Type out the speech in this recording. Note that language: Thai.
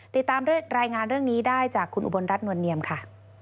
ติดตามรายงานเรื่องนี้ได้จากคุณอุบลรัฐนวลเนียมค่ะ